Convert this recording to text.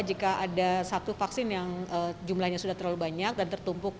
jika ada satu vaksin yang jumlahnya sudah terlalu banyak dan tertumpuk